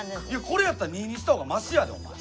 これやったら２にした方がましやでお前。